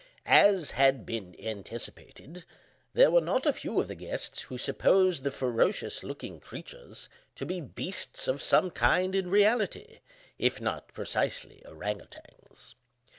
As had been anticipated, there were not a few of the guests who supposed the ferocious looking creatures to be beasts of some kind in reality, if not precisely ourang outangs.